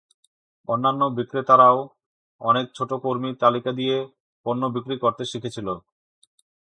অন্যান্য বিক্রেতারাও অনেক ছোট কর্মী তালিকা দিয়ে পণ্য বিক্রি করতে শিখেছিল।